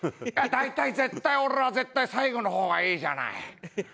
大体絶対俺は絶対最後の方がいいじゃない？